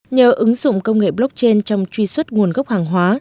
nhờ ứng dụng công nghệ blockchain trong truy xuất nguồn gốc hàng hóa